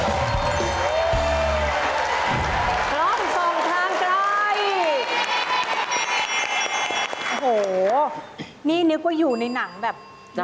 โอ้โหนี่นึกว่าอยู่ในหนังแบบ